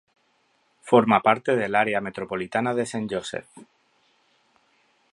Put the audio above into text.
Forma parte del área metropolitana de Saint Joseph.